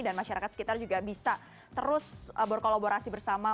dan masyarakat sekitar juga bisa terus berkolaborasi bersama